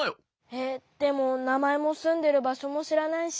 えっでもなまえもすんでるばしょもしらないし。